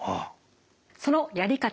そのやり方